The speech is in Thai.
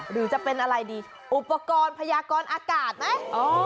หรือจะเป็นอะไรดีอุปกรณ์พยากรอากาศไหม